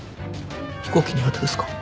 飛行機苦手ですか？